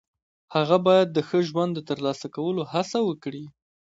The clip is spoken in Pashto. هغه باید د ښه ژوند د ترلاسه کولو هڅه وکړي.